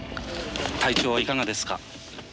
体調はいかがですか？